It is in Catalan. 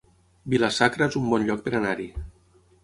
Vila-sacra es un bon lloc per anar-hi